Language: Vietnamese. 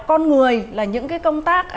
con người là những cái công tác